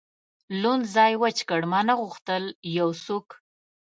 لوند ځای وچ کړ، ما نه غوښتل یو څوک.